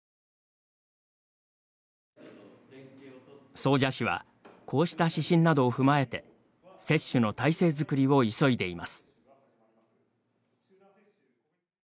総社市はこうした指針などを踏まえて接種の体制づくりを急いでいます。